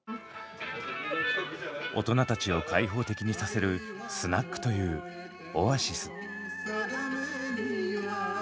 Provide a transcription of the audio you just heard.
大人たちを開放的にさせる「スナック」というオアシス。